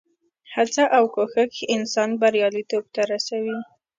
هڅه او کوښښ انسان بریالیتوب ته رسوي.